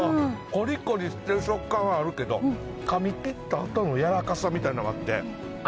コリコリしてる食感はあるけどかみ切ったあとのやわらかさみたいなのがあって甘いですよ。